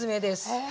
へえ。